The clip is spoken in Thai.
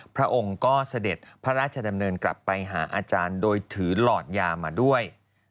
พระองค์ก็เสด็จพระราชดำเนินกลับไปหาอาจารย์โดยถือหลอดยามาด้วย